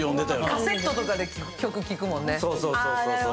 カセットとかで曲、聴くもんね。